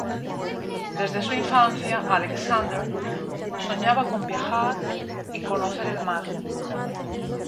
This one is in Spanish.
Desde su infancia Aleksandr soñaba con viajar y con conocer el mar.